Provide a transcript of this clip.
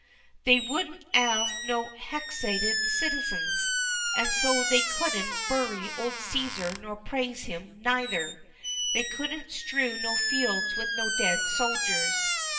They wouldn't 'ave no hexited citizens, and so they couldn't bury old Ceser nor praise him neither. They couldn't strew no fields with no dead soldiers.